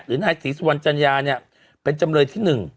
หรือนายศรีสุวรรณจัญญาเนี่ยเป็นจำเลยที่หนึ่ง